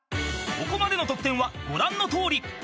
［ここまでの得点はご覧のとおり］